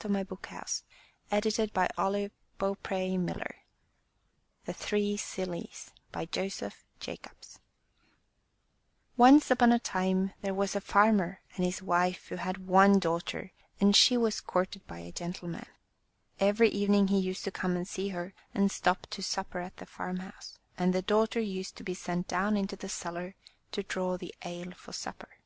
79 MY BOOK HOUSE THE THREE SILLIES* Joseph Jacobs ONCE upon a time there was a farmer and his wife who had one daughter, and she was courted by a gentleman. Every evening he used to come and see her, and stop to supper at the farmhouse, and the daughter used to be sent down into the cellar to draw the ale for supper.